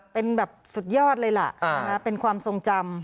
เป็นแบบสุดยอดเลยล่ะเป็นความทรงจำ